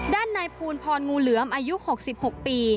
ด้านนายภูลพรงูเหลือมอายุ๖๖ปี